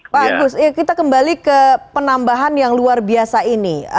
pak agus kita kembali ke penambahan yang luar biasa ini